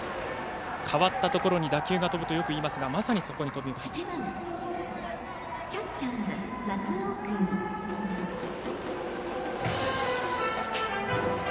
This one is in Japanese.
代わったところに打球が飛ぶとよく言いますがまさにそこに飛びました。